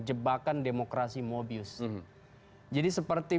jebakan demokrasi mobius jadi seperti